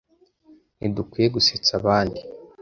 Ntidukwiye gusetsa abandi.